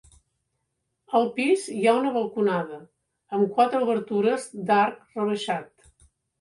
Al pis hi ha una balconada, amb quatre obertures d'arc rebaixat.